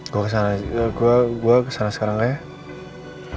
gue kesana sekarang kaya